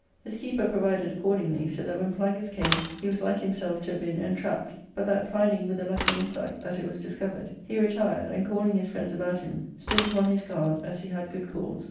His keeper provided accordingly, so that when Plangus came he was like himself to have been entrapped, but that, finding, with a lucky insight, that it was discovered, he retired, and, calling his friends about him, stood upon his guard, as he had good cause.